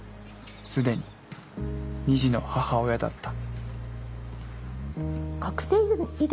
既に二児の母親だった。